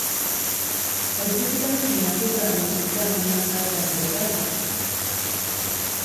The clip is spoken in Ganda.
Ojjukira nti nnakugaana okukyama mu maka gange gano?